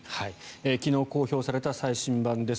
昨日公表された最新版です。